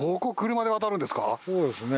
そうですね。